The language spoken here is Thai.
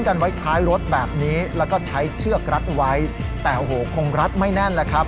กันไว้ท้ายรถแบบนี้แล้วก็ใช้เชือกรัดไว้แต่โหคงรัดไม่แน่นแล้วครับ